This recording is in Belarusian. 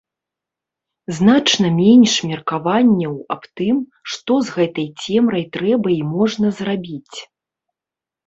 Значна менш меркаванняў аб тым, што з гэтай цемрай трэба і можна зрабіць.